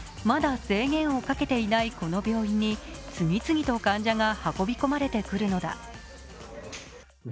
まだ制限をかけていないこの病院に次々と患者が運び込まれてくるのだ。